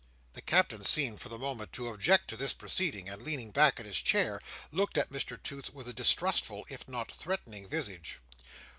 The Captain seemed, for the moment, to object to this proceeding; and leaning back in his chair, looked at Mr Toots with a distrustful, if not threatening visage.